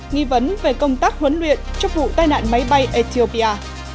nghi vấn về công tác huấn luyện trong vụ tai nạn máy bay ethiopia